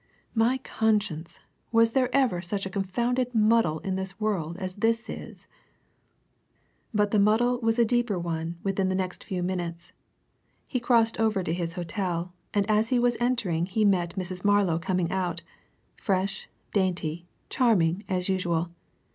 My conscience! was there ever such a confounded muddle in this world as this is!" But the muddle was a deeper one within the next few minutes. He crossed over to his hotel, and as he was entering he met Mrs. Marlow coming out, fresh, dainty, charming, as usual.